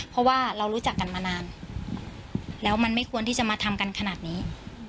เพราะว่าเรารู้จักกันมานานแล้วมันไม่ควรที่จะมาทำกันขนาดนี้